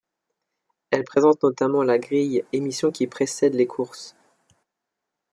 Elle présente notamment La Grille, émission qui précède les courses.